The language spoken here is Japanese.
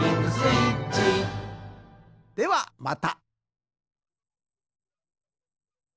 ではまた！